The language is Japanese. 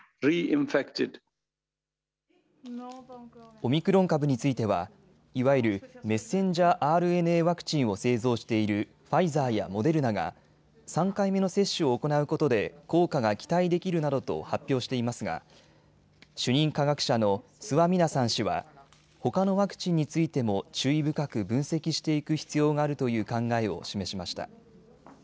オミクロン株についてはいわゆるｍＲＮＡワクチンを製造しているファイザーやモデルナが３回目の接種を行うことで効果が期待できるなどと発表していますが主任科学者のスワミナサン氏はほかのワクチンについても注意深く分析していく必要があるという考えを示しました。